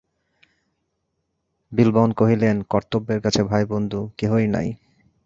বিল্বন কহিলেন, কর্তব্যের কাছে ভাই বন্ধু কেহই নাই।